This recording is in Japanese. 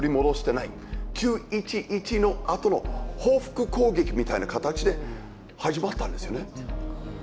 ９．１１のあとの報復攻撃みたいな形で始まったんですよね。